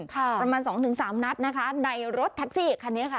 ประมาณสองถึงสามนัดนะคะในรถแท็กซี่คันนี้ค่ะ